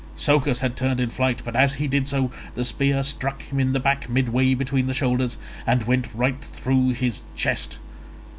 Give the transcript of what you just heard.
Socus had turned in flight, but as he did so, the spear struck him in the back midway between the shoulders, and went right through his chest.